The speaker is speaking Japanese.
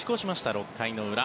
６回の裏。